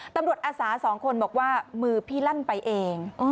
อาสาสองคนบอกว่ามือพี่ลั่นไปเอง